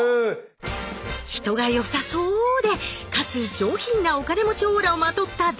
人がよさそでかつ上品なお金持ちオーラをまとった男性。